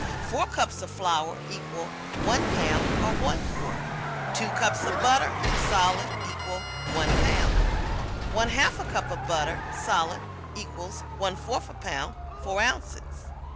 Four cups of flour equal 1 pound or 1 quart. Two cups of butter, solid, equal 1 pound. One half cup of butter, solid, equals 1/4 pound 4 ounces.